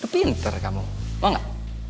pinter kamu mau gak